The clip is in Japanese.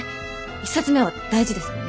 １冊目は大事ですもんね。